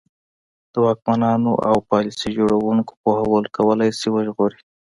د واکمنانو او پالیسي جوړوونکو پوهول کولای شي وژغوري.